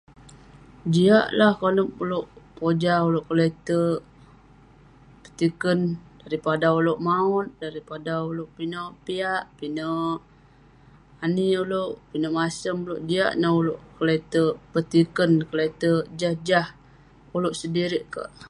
Jiak lah konep ulouk pojah, ulouk keleterk petiken daripada ulouk maot, daripada ulouk pinek piak, pinek ani ulouk, pinek masem ulouk. Jiak neh ulouk keleterk petiken, keleterk jah jah.